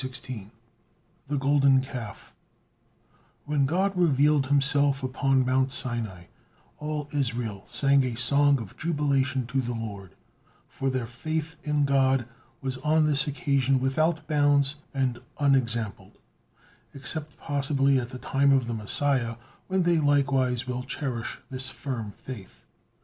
THE GOLDEN CALF When God revealed Himself upon Mount Sinai, all Israel sang a song of jubilation to the Lord, for their faith in God was on this occasion without bounds and unexampled, except possibly at the time of the Messiah, when they likewise will cherish this firm faith.